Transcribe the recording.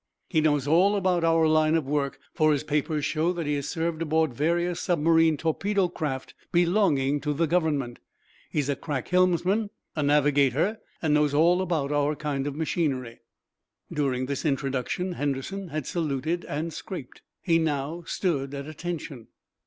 He knows all about our line of work, for his papers show that he has served aboard various submarine torpedo craft belonging to the Government. He's a crack helmsman, a navigator, and knows all about our kind of machinery." During this introduction Henderson had saluted and scraped. He now stood at attention.